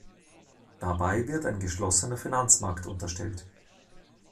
Dabei wird ein geschlossener Finanzmarkt unterstellt.